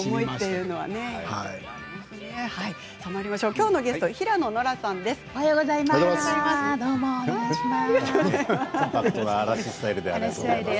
きょうのゲスト平野ノラさんです。